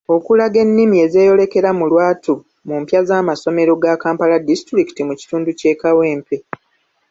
Okulaga ennimi ezeeyolekera mu lwatu mu mpya z'amasomero ga Kampala disitulikiti mu kitundu ky'eKawempe